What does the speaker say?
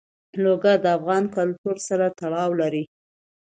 لوگر د افغان کلتور سره تړاو لري.